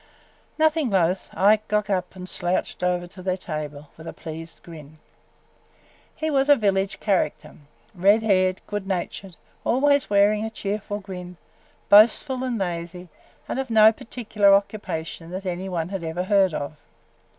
Nothing loath, Ike got up and slouched over to their table with a pleased grin. He was a village character – red haired, good natured, always wearing a cheerful grin, boastful and lazy, and of no particular occupation that any one had ever heard of.